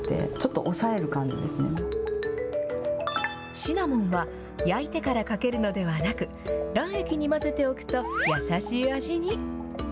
シナモンは焼いてからかけるのではなく、卵液に混ぜておくと優しい味に。